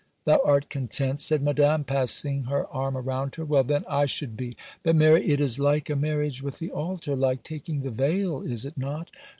'Thou art content,' said Madame, passing her arm around her; 'well then, I should be: but, Mary, it is like a marriage with the altar, like taking the veil, is it not?